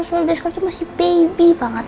soalnya udah diaskara masih baby banget